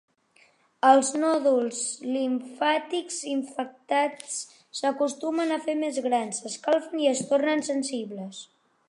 Els nòduls limfàtics infectats s'acostumen a fer més grans, s'escalfen i es tornen sensibles.